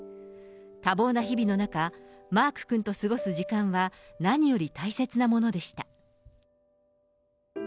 多忙な日々の中、マーク君と過ごす時間は何より大切なものでした。